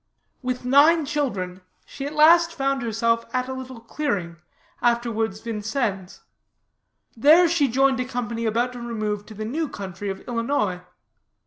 With nine children, she at last found herself at a little clearing, afterwards Vincennes. There she joined a company about to remove to the new country of Illinois.